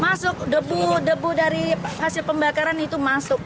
masuk debu debu dari hasil pembakaran itu masuk